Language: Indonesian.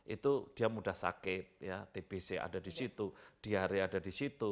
itu dia mudah sakit tbc ada di situ diare ada di situ